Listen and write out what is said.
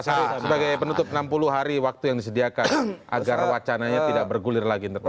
oke sebagai penutup enam puluh hari waktu yang disediakan agar wacananya tidak bergulir lagi